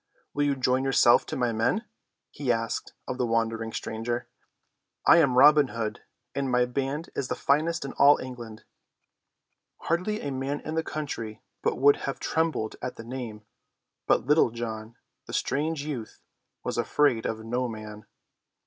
Will you join yourself to my men?" he asked of the wondering stranger. "I am Robin Hood, and my band is the finest in all England." Hardly a man in the country but would have trembled at the name. But John Little, the strange youth, was afraid of no man.